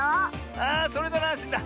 ああそれならあんしんだ。